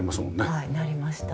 はいなりました。